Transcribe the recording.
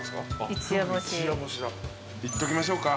いっときましょうか。